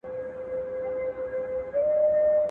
شرم ئې کوت، بېخ ئې خوت.